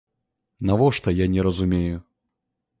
Навошта, я не разумею?